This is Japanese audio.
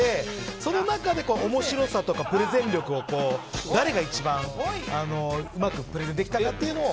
その中で面白さとかプレゼン力を誰が一番うまくプレゼンできたかっていうのを。